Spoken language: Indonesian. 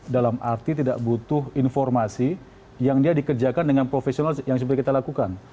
dalam arti tidak butuh informasi yang dia dikerjakan dengan profesional yang seperti kita lakukan